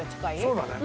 そうだね。